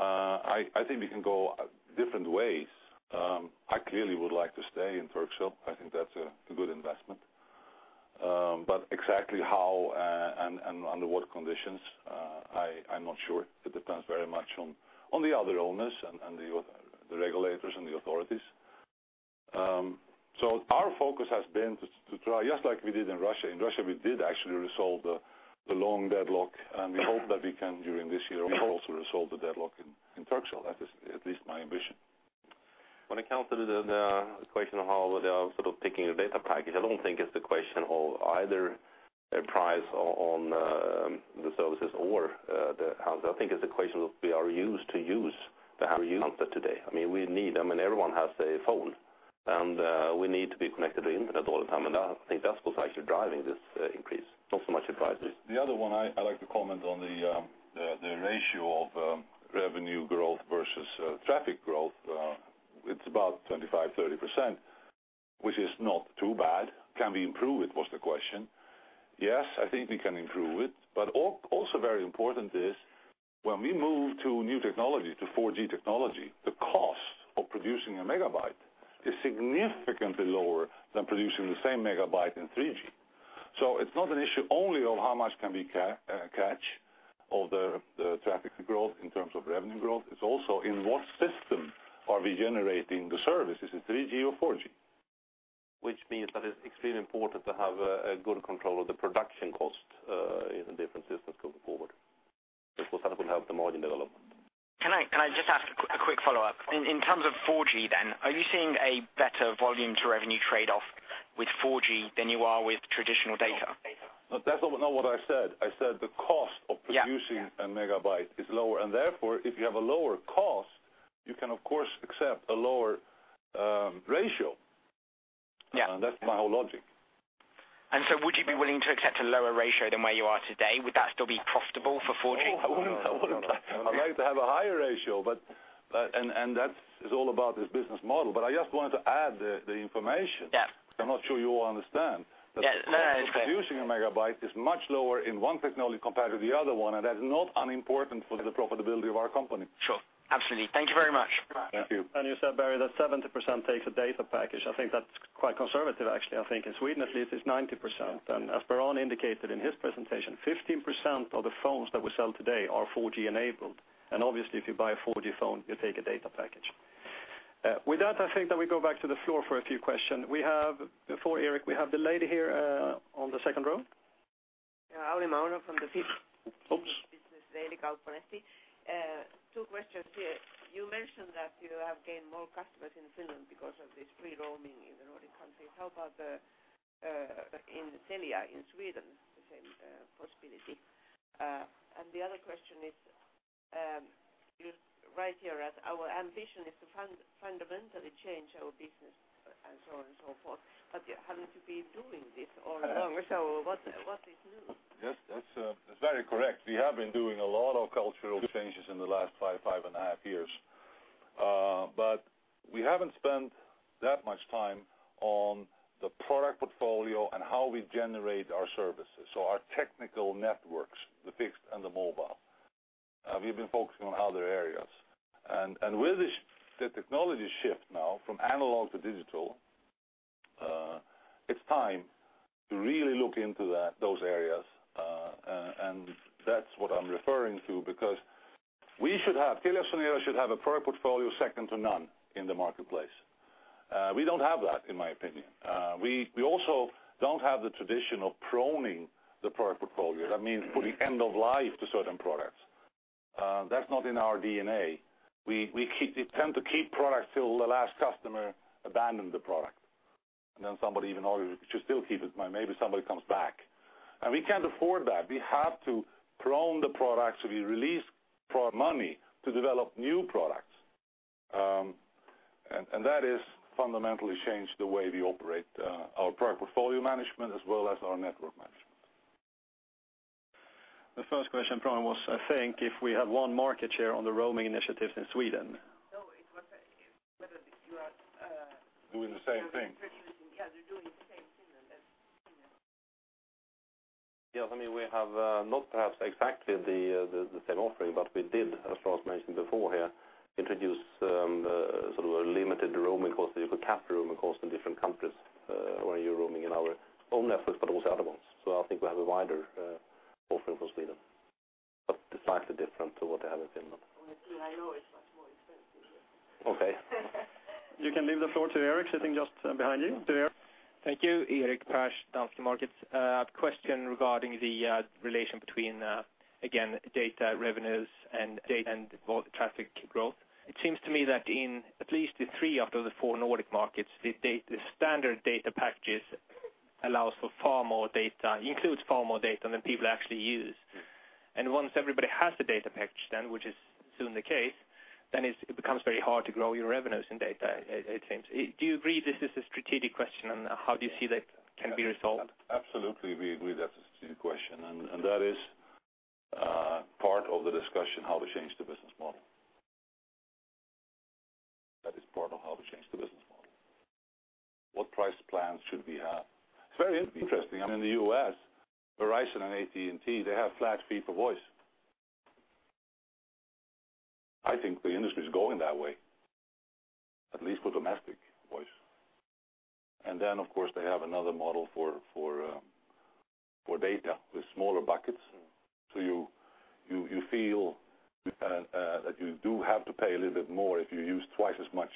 I think we can go different ways. I clearly would like to stay in Turkcell. I think that's a good investment. Exactly how and under what conditions, I'm not sure. It depends very much on the other owners and the regulators and the authorities. Our focus has been to try, just like we did in Russia. In Russia, we did actually resolve the long deadlock, and we hope that we can, during this year, also resolve the deadlock in Turkcell. That is at least my ambition. When it comes to the question of how they are picking a data package, I don't think it's the question of either a price on the services or the handset. I think it's a question of we are used to use the handset today. Everyone has a phone, and we need to be connected to internet all the time, and I think that's what's actually driving this increase. Not so much the prices. I'd like to comment on the ratio of revenue growth versus traffic growth. It's about 25, 30%, which is not too bad. Can we improve it, was the question. Yes, I think we can improve it. Also very important is when we move to new technology, to 4G technology, the cost of producing a megabyte is significantly lower than producing the same megabyte in 3G. It's not an issue only of how much can we catch of the traffic growth in terms of revenue growth. It's also in what system are we generating the services, in 3G or 4G. Which means that it's extremely important to have a good control of the production cost in the different systems going forward. That will help the margin development. Can I just ask a quick follow-up? In terms of 4G, are you seeing a better volume to revenue trade-off with 4G than you are with traditional data? That's not what I said. I said the cost of producing- Yeah A megabyte is lower, therefore, if you have a lower cost, you can of course accept a lower ratio. Yeah. That's my whole logic. So would you be willing to accept a lower ratio than where you are today? Would that still be profitable for 4G? No. I would like to have a higher ratio. That is all about this business model. I just wanted to add the information. Yeah. I'm not sure you all understand. Yeah, no. That's fair. That producing a megabyte is much lower in one technology compared to the other one, that's not unimportant for the profitability of our company. Sure. Absolutely. Thank you very much. Thank you. You said, Barry, that 70% takes a data package. I think that's quite conservative, actually. I think in Sweden, at least, it's 90%. As Per-Arne indicated in his presentation, 15% of the phones that we sell today are 4G enabled. Obviously, if you buy a 4G phone, you take a data package. With that, I think that we go back to the floor for a few questions. Before Erik, we have the lady here on the second row. Ali Mauno from the Finnish Business Daily. Oops. Kauppalehti. Two questions here. You mentioned that you have gained more customers in Finland because of this free roaming in the Nordic countries. How about in Telia, in Sweden, the same possibility? The other question: You write here that, "Our ambition is to fundamentally change our business," and so on and so forth. You haven't been doing this all along, so what is new? Yes, that's very correct. We have been doing a lot of cultural changes in the last 5 and a half years. We haven't spent that much time on the product portfolio and how we generate our services. Our technical networks, the fixed and the mobile. We've been focusing on other areas. With the technology shift now from analog to digital, it's time to really look into those areas. That's what I'm referring to, because Telia Company should have a product portfolio second to none in the marketplace. We don't have that, in my opinion. We also don't have the tradition of pruning the product portfolio. That means putting end of life to certain products. That's not in our DNA. We tend to keep products till the last customer abandon the product, and then somebody even orders, we should still keep it. Maybe somebody comes back. We can't afford that. We have to prune the products. We release product money to develop new products. That is fundamentally change the way we operate our product portfolio management as well as our network management. The first question probably was, I think, if we have one market share on the roaming initiatives in Sweden. No, it was whether you are- Doing the same thing. Yeah, you're doing the same thing as Finland. Yes. We have not perhaps exactly the same offering, but we did, as Lars mentioned before here, introduce limited roaming costs. You could cap roaming costs in different countries where you're roaming in our own networks, but also other ones. I think we have a wider offering for Sweden, but slightly different to what they have in Finland. As you and I know, it's much more expensive. Okay. You can leave the floor to Erik sitting just behind you. To Erik. Thank you, Erik Paasch, Danske Markets. Question regarding the relation between, again, data revenues and data and voice traffic growth. It seems to me that in at least the three out of the four Nordic markets, the standard data packages includes far more data than people actually use. Yes. Once everybody has the data package then, which is soon the case, it becomes very hard to grow your revenues in data, it seems. Do you agree this is a strategic question, and how do you see that can be resolved? Absolutely, we agree that's a strategic question, and that is part of the discussion, how to change the business model. That is part of how we change the business model. What price plans should we have? It's very interesting. In the U.S., Verizon and AT&T, they have flat fee for voice. I think the industry's going that way, at least for domestic voice. Then, of course, they have another model for data with smaller buckets. You feel that you do have to pay a little bit more if you use twice as much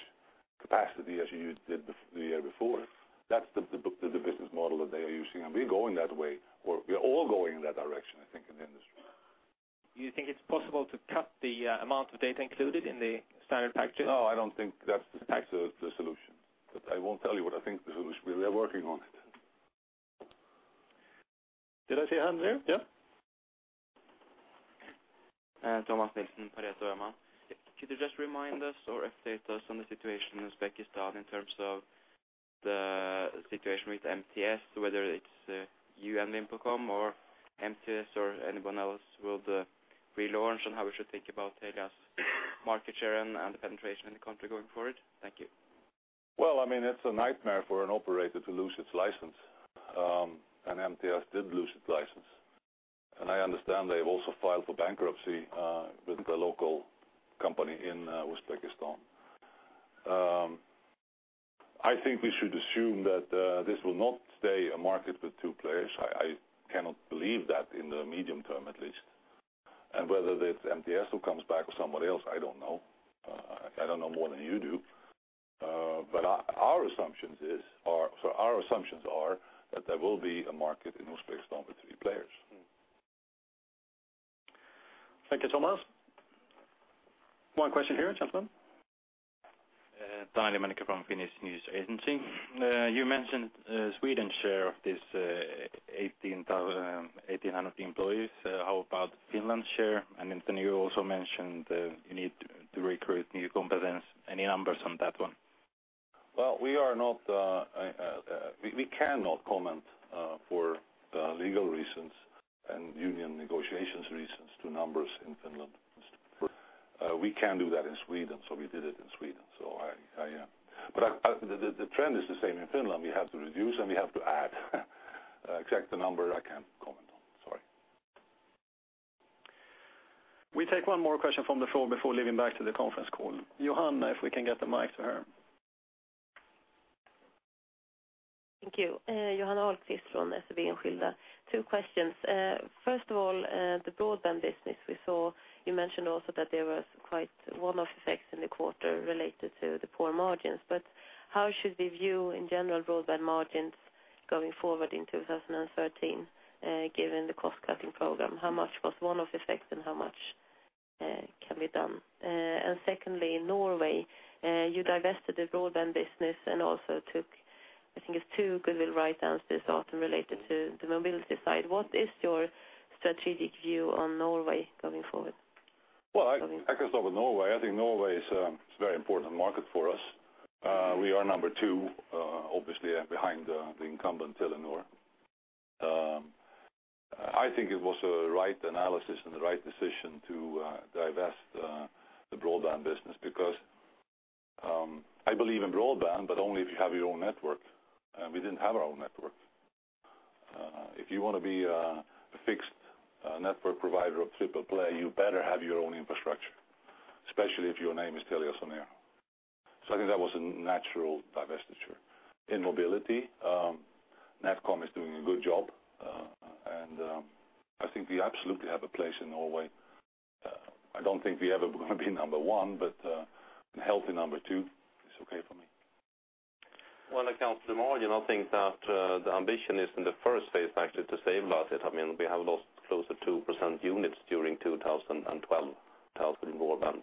capacity as you did the year before. That's the business model that they are using, and we're going that way, or we are all going in that direction, I think, in the industry. Do you think it's possible to cap the amount of data included in the standard package? No, I don't think that's the solution, but I won't tell you what I think the solution. We are working on it. Did I see a hand there? Yeah. Thomas Nilsson, Pareto. Could you just remind us or update us on the situation in Uzbekistan in terms of the situation with MTS, whether it's you and VimpelCom or MTS or anyone else will relaunch, and how we should think about Telia's market share and the penetration in the country going forward? Thank you. It's a nightmare for an operator to lose its license, MTS did lose its license. I understand they've also filed for bankruptcy with the local company in Uzbekistan. I think we should assume that this will not stay a market with two players. I cannot believe that in the medium term, at least. Whether it's MTS who comes back or somebody else, I don't know. I don't know more than you do. Our assumptions are that there will be a market in Uzbekistan with three players. Thank you, Thomas. One question here, gentleman. Daniel Mannikka from Finnish News Agency. You mentioned Sweden's share of this 1,800 employees. How about Finland's share? You also mentioned you need to recruit new competence. Any numbers on that one? We cannot comment for legal reasons and union negotiations reasons to numbers in Finland. We can do that in Sweden, we did it in Sweden. The trend is the same in Finland. We have to reduce, we have to add. Exact number, I can't comment on. Sorry. We take one more question from the floor before leaving back to the conference call. Johan, if we can get the mic to her. Thank you. Johanna Ahlqvist from SEB Enskilda. Two questions. First of all, the broadband business we saw, you mentioned also that there was quite one-off effects in the quarter related to the poor margins. How should we view, in general, broadband margins going forward in 2013, given the cost-cutting program? How much was one-off effects, and how much can be done? Secondly, in Norway, you divested the broadband business and also took I think it's two goodwill writedowns this autumn related to the mobility side. What is your strategic view on Norway going forward? Well, I can start with Norway. I think Norway is a very important market for us. We are number two, obviously behind the incumbent, Telenor. I think it was a right analysis and the right decision to divest the broadband business because, I believe in broadband, but only if you have your own network, and we didn't have our own network. If you want to be a fixed network provider of triple play, you better have your own infrastructure, especially if your name is TeliaSonera. I think that was a natural divestiture. In mobility, NetCom is doing a good job. I think we absolutely have a place in Norway. I don't think we're ever going to be number one, but a healthy number two is okay for me. When it comes to margin, I think that the ambition is in the first phase actually to stabilize it. We have lost close to 2% units during 2012, thousand broadband.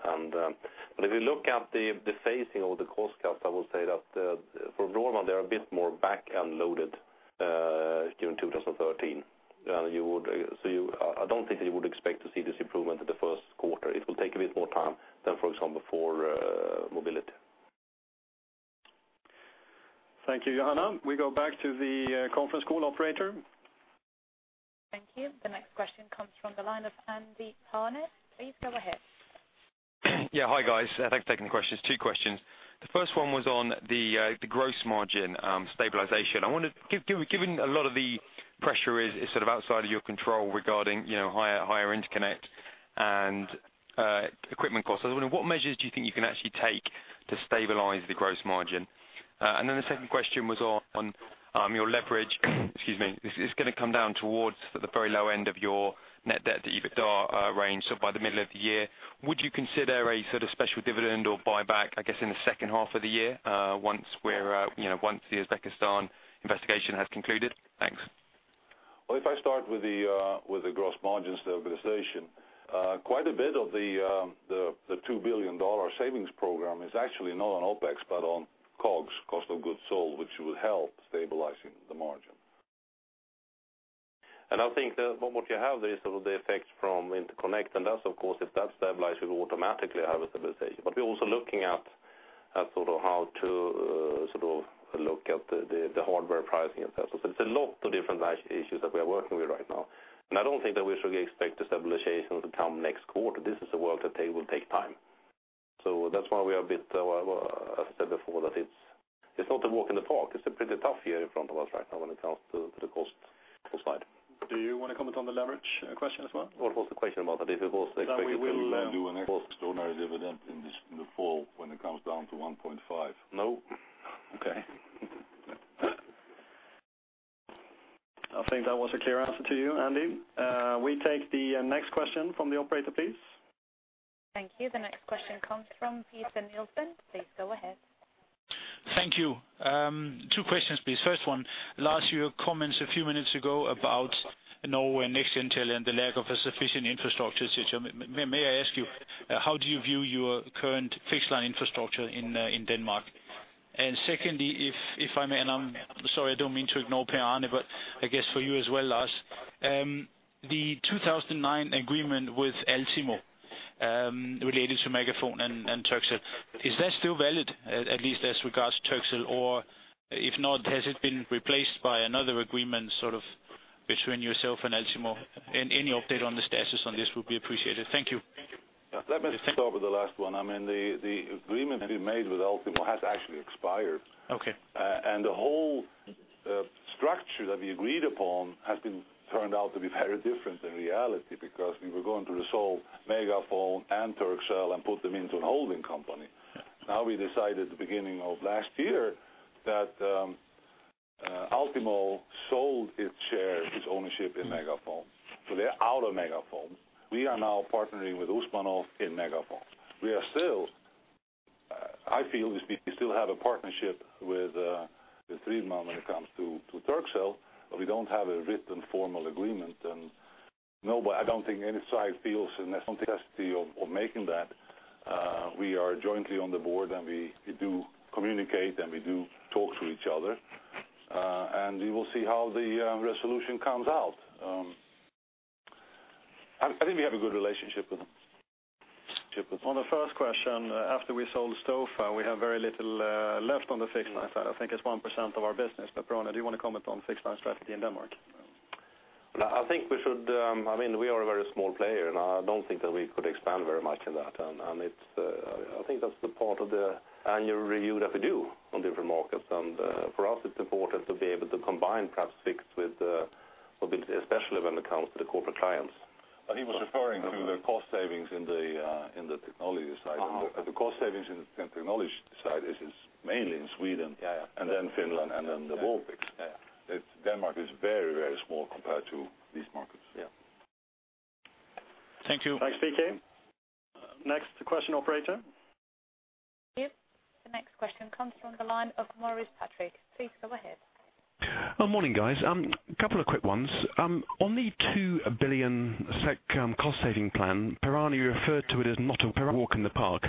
If you look at the phasing of the cost cuts, I will say that for normal, they are a bit more back-end loaded, during 2013. I don't think that you would expect to see this improvement in the first quarter. It will take a bit more time than, for example, for mobility. Thank you, Johanna. We go back to the conference call operator. Thank you. The next question comes from the line of Andy Harnett. Please go ahead. Yeah. Hi, guys. Thanks for taking the questions. Two questions. The first one was on the gross margin stabilization. Given a lot of the pressure is sort of outside of your control regarding higher interconnect and equipment costs, I was wondering what measures do you think you can actually take to stabilize the gross margin? The second question was on your leverage. Excuse me. It's going to come down towards the very low end of your net debt to EBITDA range, so by the middle of the year. Would you consider a sort of special dividend or buyback, I guess, in the second half of the year, once the Uzbekistan investigation has concluded? Thanks. Well, if I start with the gross margin stabilization. Quite a bit of the SEK 2 billion savings program is actually not on OpEx, but on COGS, cost of goods sold, which will help stabilizing the margin. I think that what you have there is sort of the effects from interconnect, that's of course, if that stabilizes, we automatically have a stabilization. We're also looking at how to look at the hardware pricing itself. It's a lot of different issues that we are working with right now, I don't think that we should expect the stabilization to come next quarter. This is a work that they will take time. That's why we are a bit, as I said before, that it's not a walk in the park. It's a pretty tough year in front of us right now when it comes to the cost side. Do you want to comment on the leverage question as well? What was the question about that? That we will do an extraordinary dividend in the fall when it comes down to 1.5. No. I think that was a clear answer to you, Andy. We take the next question from the operator, please. Thank you. The next question comes from Peter Nielsen. Please go ahead. Thank you. Two questions, please. First one, Lars, your comments a few minutes ago about Norway NextGenTel and the lack of a sufficient infrastructure situation. May I ask you, how do you view your current fixed line infrastructure in Denmark? Secondly, if I may, and I'm sorry, I don't mean to ignore Per-Arne, but I guess for you as well, Lars. The 2009 agreement with Altimo, related to MegaFon and Turkcell. Is that still valid, at least as regards to Turkcell? If not, has it been replaced by another agreement sort of between yourself and Altimo? Any update on the status on this would be appreciated. Thank you. Let me start with the last one. The agreement we made with Altimo has actually expired. Okay. The whole structure that we agreed upon has been turned out to be very different than reality because we were going to resolve MegaFon and Turkcell and put them into a holding company. Now we decided at the beginning of last year that Altimo sold its shares, its ownership in MegaFon. They're out of MegaFon. We are now partnering with Usmanov in MegaFon. I feel we still have a partnership with Altimo when it comes to Turkcell, we don't have a written formal agreement. I don't think any side feels a necessity of making that. We are jointly on the board, we do communicate, we do talk to each other. We will see how the resolution comes out. I think we have a good relationship with them. On the first question, after we sold Stofa, we have very little left on the fixed line side. I think it's 1% of our business. Per-Arne, do you want to comment on fixed line strategy in Denmark? I think we should. We are a very small player, I don't think that we could expand very much in that. I think that's the part of the annual review that we do on different markets. For us, it's important to be able to combine perhaps fixed with mobility, especially when it comes to the corporate clients. He was referring to the cost savings in the technology side. The cost savings in the technology side is mainly in Sweden- Yeah. Finland, and then the Baltics. Yeah. Denmark is very, very small compared to these markets. Yeah. Thank you. Thanks, Peter. Next question, operator. Thank you. The next question comes from the line of Maurice Patrick. Please go ahead. Morning, guys. Couple of quick ones. On the 2 billion SEK cost saving plan, Per-Arne referred to it as not a walk in the park.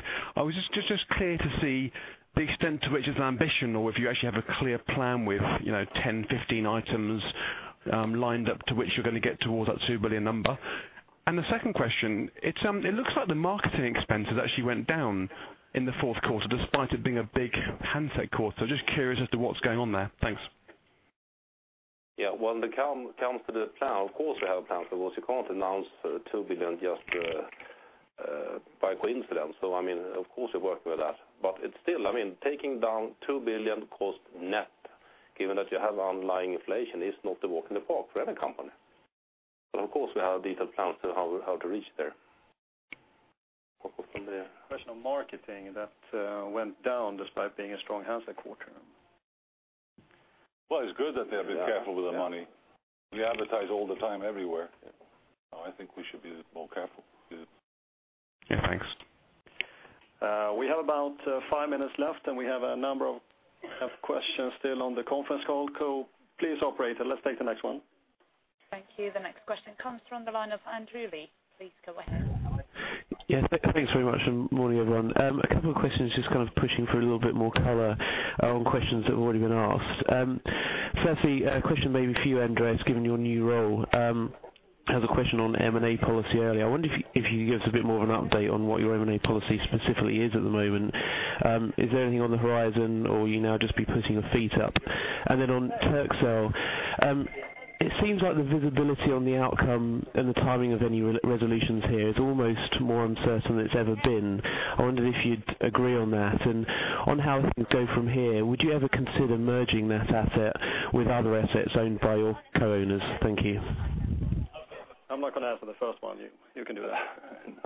Just clear to see the extent to which it's ambition or if you actually have a clear plan with 10, 15 items lined up to which you're going to get towards that 2 billion number. The second question, it looks like the marketing expenses actually went down in the fourth quarter despite it being a big handset quarter. Just curious as to what's going on there. Thanks. Yeah. When it comes to the plan, of course, we have plans. You can't announce 2 billion just by coincidence. Of course, we're working with that. Still, taking down 2 billion cost net, given that you have underlying inflation, is not a walk in the park for any company. Of course, we have detailed plans on how to reach there. From the question of marketing, that went down despite being a strong handset quarter. Well, it's good that they have been careful with their money. We advertise all the time everywhere. I think we should be more careful. Yeah, thanks. We have about five minutes left. We have a number of questions still on the conference call. Please, operator, let's take the next one. Thank you. The next question comes from the line of Andrew Lee. Please go ahead. Yes, thanks very much. Morning, everyone. A couple of questions, just pushing for a little bit more color on questions that have already been asked. Firstly, a question maybe for you, Andreas, given your new role. There was a question on M&A policy earlier. I wonder if you could give us a bit more of an update on what your M&A policy specifically is at the moment. Is there anything on the horizon, or will you now just be putting your feet up? Then on Turkcell, it seems like the visibility on the outcome and the timing of any resolutions here is almost more uncertain than it's ever been. I wonder if you'd agree on that and on how things go from here. Would you ever consider merging that asset with other assets owned by your co-owners? Thank you. I'm not going to answer the first one. You can do that.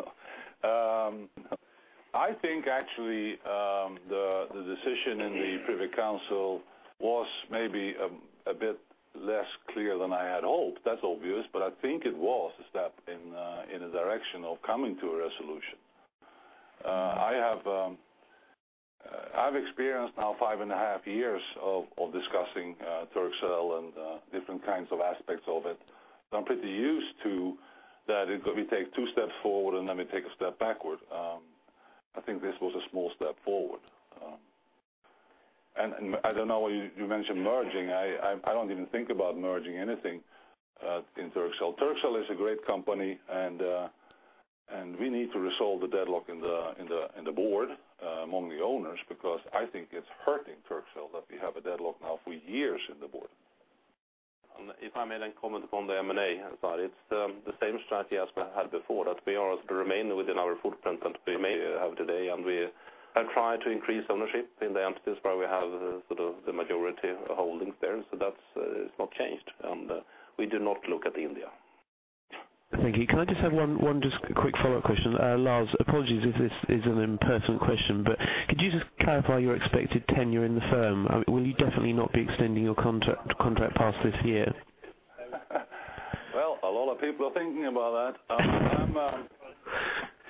I think actually, the decision in the Privy Council was maybe a bit less clear than I had hoped. That's obvious, but I think it was a step in a direction of coming to a resolution. I've experienced now five and a half years of discussing Turkcell and different kinds of aspects of it. So I'm pretty used to that we take two steps forward and then we take a step backward. I think this was a small step forward. I don't know why you mentioned merging. I don't even think about merging anything in Turkcell. Turkcell is a great company, and we need to resolve the deadlock in the board among the owners, because I think it's hurting Turkcell that we have a deadlock now for years in the board. If I made any comment on the M&A side, it's the same strategy as we had before, that we are to remain within our footprint that we may have today, and we have tried to increase ownership in the entities where we have the majority holdings there. So that has not changed. We do not look at India. Thank you. Can I just have one just quick follow-up question. Lars, apologies if this is an impersonal question, but could you just clarify your expected tenure in the firm? Will you definitely not be extending your contract past this year? Well, a lot of people are thinking about that.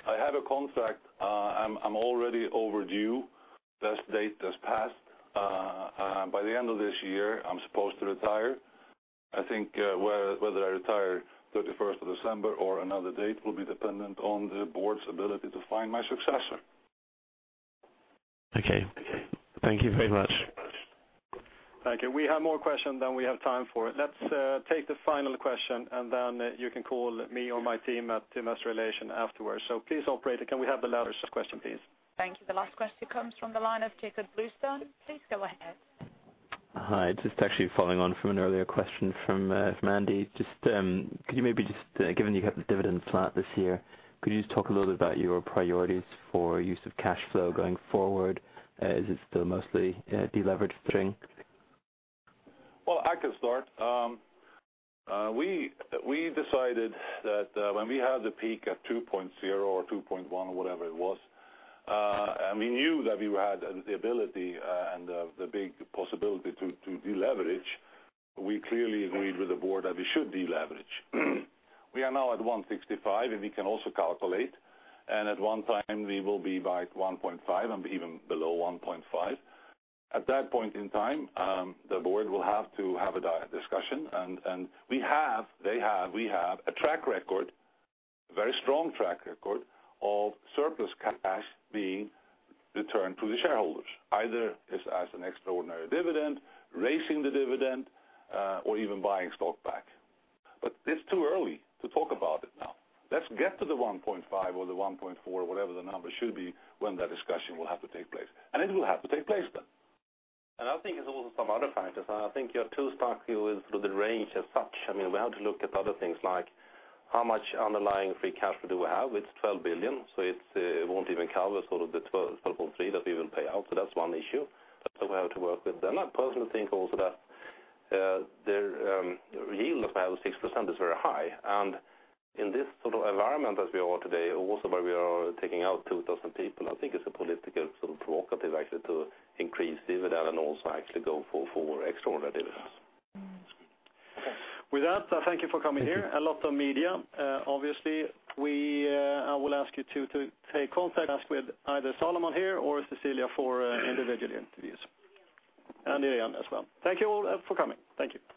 I have a contract. I'm already overdue. Best date has passed. By the end of this year, I'm supposed to retire. I think whether I retire 31st of December or another date will be dependent on the board's ability to find my successor. Okay. Thank you very much. Thank you. We have more questions than we have time for. Let's take the final question, and then you can call me or my team at Investor Relations afterwards. Please, operator, can we have the last question, please? Thank you. The last question comes from the line of Jakob Bluestone. Please go ahead. Hi, just actually following on from an earlier question from Andy. Just, could you maybe just, given you have the dividend flat this year, could you just talk a little bit about your priorities for use of cash flow going forward? Is it still mostly de-leveraging? Well, I can start. We decided that when we had the peak at 2.0 or 2.1 or whatever it was, and we knew that we had the ability and the big possibility to de-leverage, we clearly agreed with the board that we should de-leverage. We are now at 165, and we can also calculate, and at one time we will be by 1.5 and even below 1.5. At that point in time, the board will have to have a discussion, and we have a track record, a very strong track record, of surplus cash being returned to the shareholders, either as an extraordinary dividend, raising the dividend, or even buying stock back. It's too early to talk about it now. Let's get to the 1.5 or the 1.4, whatever the number should be, when that discussion will have to take place, and it will have to take place then. I think it's also some other factors. I think you are too stuck with the range as such. We have to look at other things like how much underlying free cash flow do we have. It's 12 billion, so it won't even cover the 12.3 that we will pay out. That's one issue that we have to work with. I personally think also that the yield of 6% is very high, and in this sort of environment as we are today, also where we are taking out 2,000 people, I think it's a political sort of provocative actually to increase dividend and also actually go for extraordinary dividends. With that, I thank you for coming here. A lot of media. Obviously, I will ask you to take contact with either Solomon here or Cecilia for individual interviews. Ian as well. Thank you all for coming. Thank you.